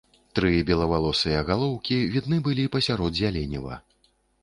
Тры белавалосыя галоўкі відны былі пасярод зяленіва.